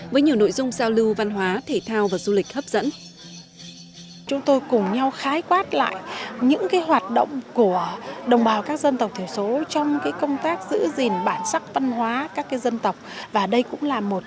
với nhiều nội dung giao lưu văn hóa thể thao và du lịch hấp dẫn